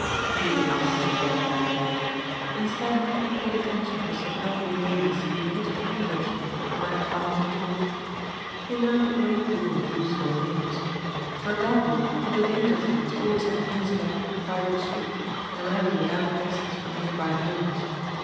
He did not play again that day. Instead he paid attention to some elderly ladies who knitted feverishly and were inclined to talk. He learned a great deal of useful news. For example, that the Dangerfields always had meals in their big private suite and rarely without guests from nearby homes.